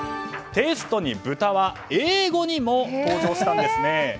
テストに豚は英語にも登場したんですね。